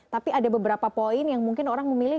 tapi ada beberapa poin yang mungkin orang memilih